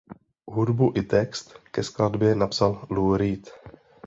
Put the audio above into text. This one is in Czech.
Hudbu i text ke skladbě napsal Lou Reed.